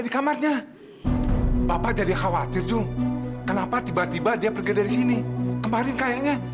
sampai jumpa di video selanjutnya